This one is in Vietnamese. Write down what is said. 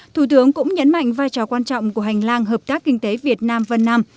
thủ tướng cũng nhấn mạnh vai trò quan trọng của hành lang hợp tác kinh tế việt nam vân nam